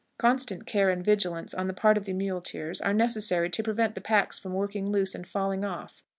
Constant care and vigilance on the part of the muleteers are necessary to prevent the packs from working loose and falling off.